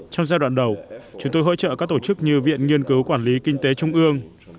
trong giai đoạn đầu chúng tôi hỗ trợ các tổ chức như viện nghiên cứu quản lý kinh tế trung ương